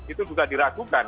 itu juga diragukan